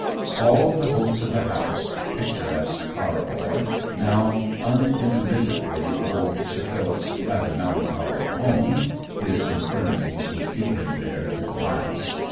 All the hopes of the house, pictu resque Paramore, now unintermittently old Sir Philip's rather melancholy home (his in firmities would keep him there to the last).